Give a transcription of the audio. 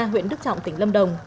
huyện đức trọng tỉnh lâm đồng